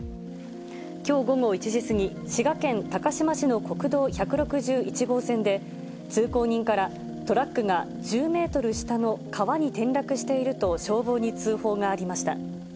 きょう午後１時過ぎ、滋賀県高島市の国道１６１号線で、通行人から、トラックが１０メートル下の川に転落していると、消防に通報がありました。